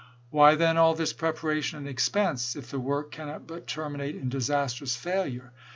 Why, then, all this preparation and expense, if the work cannot but terminate in disastrous failure